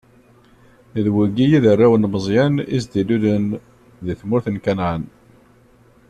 D wigi i d arraw n Meẓyan, i s-d-ilulen di tmurt n Kanɛan.